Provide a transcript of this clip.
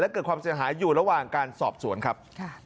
เกิดความเสียหายอยู่ระหว่างการสอบสวนครับ